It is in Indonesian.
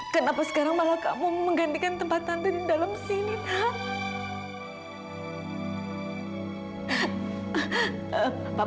kenapa sekarang malah kamu menggantikan tempat tante di dalam sini nak